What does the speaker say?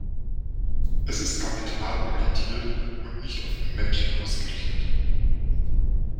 Es ist kapitalorientiert und nicht auf den Menschen ausgerichtet.